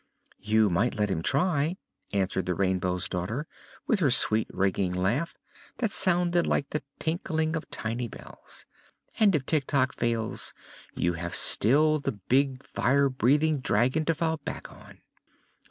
"You might let him try," answered the Rainbow's Daughter, with her sweet ringing laugh, that sounded like the tinkling of tiny bells. "And if Tik Tok fails, you have still the big fire breathing dragon to fall back on."